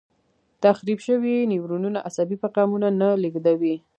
تخریب شوي نیورونونه عصبي پیغامونه نه لېږدوي.